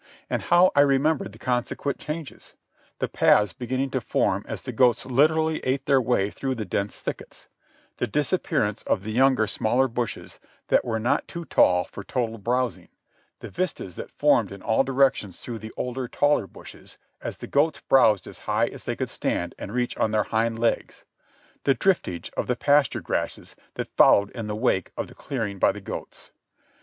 And how I remembered the consequent changes—the paths beginning to form as the goats literally ate their way through the dense thickets; the disappearance of the younger, smaller bushes that were not too tall for total browsing; the vistas that formed in all directions through the older, taller bushes, as the goats browsed as high as they could stand and reach on their hind legs; the driftage of the pasture grasses that followed in the wake of the clearing by the goats.